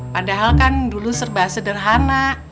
padahal kan dulu serba sederhana